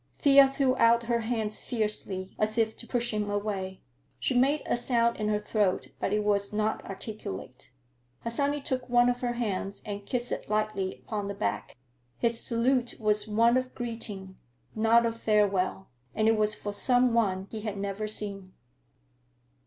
Thea threw out her hands fiercely, as if to push him away. She made a sound in her throat, but it was not articulate. Harsanyi took one of her hands and kissed it lightly upon the back. His salute was one of greeting, not of farewell, and it was for some one he had never seen.